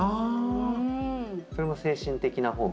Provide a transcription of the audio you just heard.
それも精神的な方。